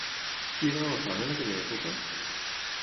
Qui era l'alcalde en aquella època?